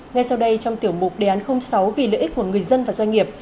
ngay sau đây trong tiểu mục đề án sáu vì lợi ích của người dân và doanh nghiệp